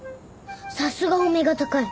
さすがお目が高い。